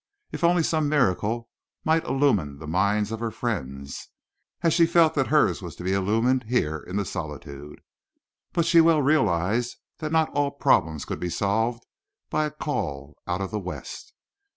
If only some miracle might illumine the minds of her friends, as she felt that hers was to be illumined here in the solitude. But she well realized that not all problems could be solved by a call out of the West.